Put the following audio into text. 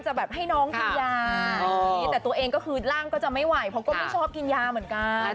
แบบให้น้องกินยาอย่างนี้แต่ตัวเองก็คือร่างก็จะไม่ไหวเพราะก็ไม่ชอบกินยาเหมือนกัน